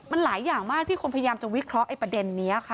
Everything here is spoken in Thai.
มันหลายอย่างมากที่คนพยายามจะวิเคราะห์ประเด็นนี้ค่ะ